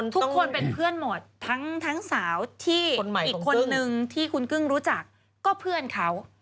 ทุกคนเป็นเพื่อนหมดทั้งสาวที่อีกคนนึงที่คุณกึ้งรู้จักก็เพื่อนเขา